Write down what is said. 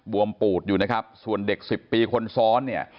วมปูดอยู่นะครับส่วนเด็กสิบปีคนซ้อนเนี่ย